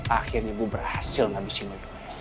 akhirnya gua berhasil ngabisin lo